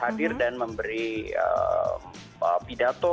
hadir dan memberi pidato